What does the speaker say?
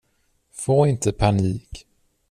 Få inte panik.